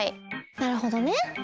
なるほどね。